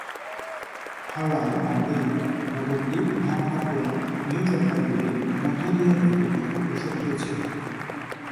হাওড়া-ব্যান্ডেল-নবদ্বীপ ধাম- কাটোয়া-নিউ জলপাইগুড়ি মধ্য দিয়ে রেলপথটি অগ্রসর হয়েছে।